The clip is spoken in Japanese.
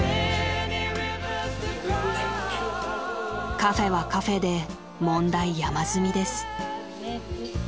［カフェはカフェで問題山積みです］